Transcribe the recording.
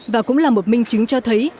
và cũng là một minh chứng cho thấy